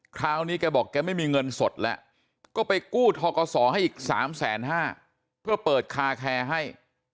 คราวนี้แกบอกแกไม่มีเงินสดแล้วก็ไปกู้ทกศให้อีก๓๕๐๐เพื่อเปิดคาแคร์ให้